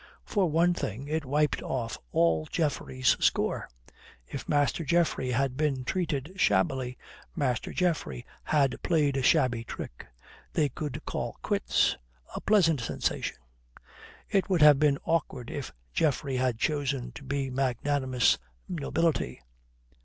For one thing, it wiped off all Geoffrey's score. If Master Geoffrey had been treated shabbily, Master Geoffrey had played a shabby trick. They could call quits a pleasant sensation. It would have been awkward if Geoffrey had chosen to be magnanimous nobility.